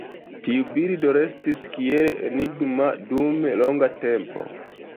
Tiu birdo restis kiel enigma dum longa tempo.